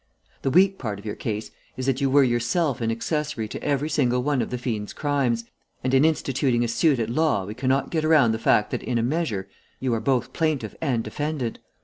The weak part of our case is that you were yourself an accessory to every single one of the fiend's crimes, and in instituting a suit at law we cannot get around the fact that in a measure you are both plaintiff and defendant.